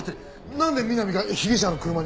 なんでみなみが被疑者の車に？